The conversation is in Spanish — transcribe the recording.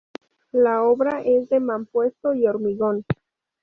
La obra es de mampuesto y hormigón.